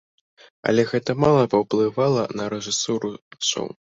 Але гэта мала паўплывала на рэжысуру шоу.